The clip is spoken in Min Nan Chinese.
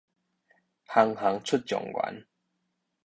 行行出狀元